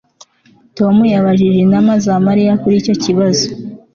Tom yabajije inama za Mariya kuri icyo kibazo